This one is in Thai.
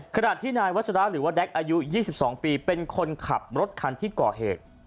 ขณะที่นายวัชราหรือว่าแก๊กอายุ๒๒ปีเป็นคนขับรถคันที่ก่อเหตุ